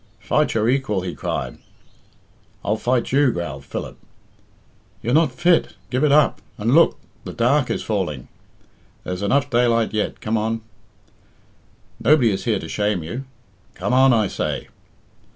"Fight your equal," he cried. "I'll fight you," growled Philip. "You're not fit. Give it up. And look, the dark is falling." "There's enough daylight yet. Come on." "Nobody is here to shame you." "Come on, I say."